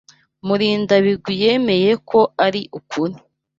Murindabigwi yemeye ko ari ukuri.